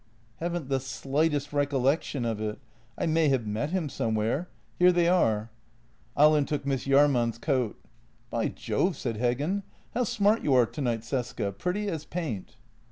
"" Haven't the slightest recollection of it. I may have met him somewhere. Here they are." Ahlin took Miss Jahrman's coat. "By Jove!" said Heggen. "How smart you are tonight, Cesca. Pretty as paint."